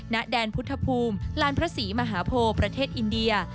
ณแดนพุทธภูมิลานพระศรีมหาโพประเทศอินเดีย